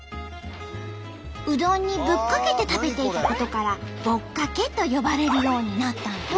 うどんにぶっかけて食べていたことから「ぼっかけ」と呼ばれるようになったんと！